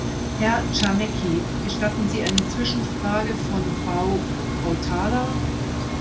Herr Czarnecki, gestatten Sie eine Zwischenfrage von Frau Hautala?